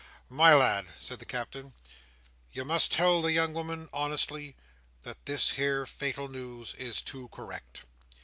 "My lad," said the Captain, "you must tell the young woman honestly that this here fatal news is too correct.